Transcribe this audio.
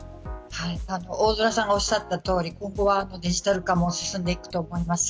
大空さんがおっしゃったとおりデジタル化も進んでいくと思います。